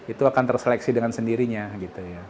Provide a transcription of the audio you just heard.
itu akan terseleksi dengan sendirinya gitu ya